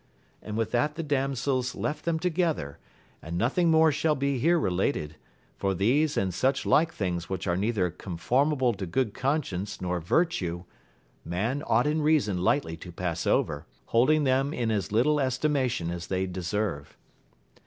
And with that the dam sels left them together, and nothing more shall be here related, for these and such like things which are neither conformable to good conscience nor virtue, man ought in reason lightly to pass over, holding them in as little estimation as they deserve.